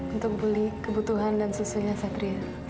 untuk beli kebutuhan dan susunya satria